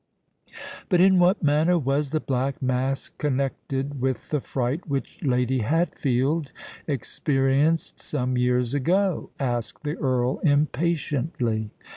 "But in what manner was the Black Mask connected with the fright which Lady Hatfield experienced some years ago?" asked the Earl impatiently.